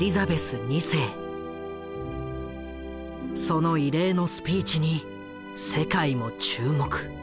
その異例のスピーチに世界も注目。